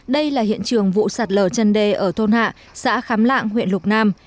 đây là hiện trường vụ sạt lở chân đê ở thôn hạ xã khám lạng huyện lục nam